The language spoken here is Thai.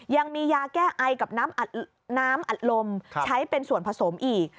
ยังมียาแก้ไอกับน้ำอัดลมใช้เป็นส่วนผสมอีก